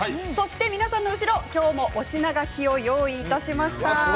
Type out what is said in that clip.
皆さんの後ろ、推し名書きを用意いたしました。